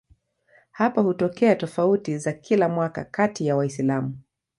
Hapa hutokea tofauti za kila mwaka kati ya Waislamu.